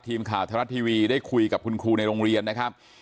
ทีมข่าวไทยรัฐทีวีได้คุยกับคุณครูในโรงเรียนนะครับ